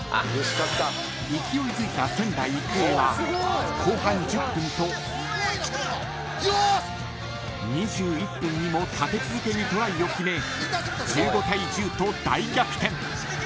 ［勢いづいた仙台育英は後半１０分と２１分にも立て続けにトライを決め１５対１０と大逆転］